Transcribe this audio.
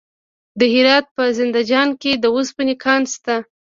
د هرات په زنده جان کې د وسپنې کان شته.